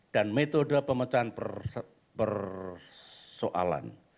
dan metode pemecahan persoalan